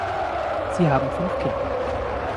Sie haben fünf Kinder.